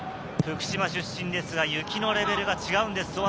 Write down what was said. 福島出身ですが、雪のレベルが違うんです。